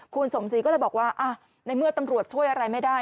คุณสมศรีก็เลยบอกว่าในเมื่อตำรวจช่วยอะไรไม่ได้